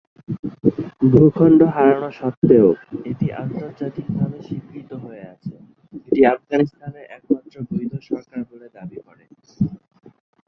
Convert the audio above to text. ভূখণ্ড হারানো সত্ত্বেও, এটি আন্তর্জাতিকভাবে স্বীকৃত হয়ে আছে, এটি আফগানিস্তানের একমাত্র বৈধ সরকার বলে দাবি করে।